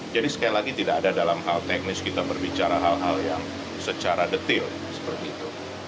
jadi sekali lagi tidak ada dalam hal teknis kita berbicara hal hal yang secara detil seperti itu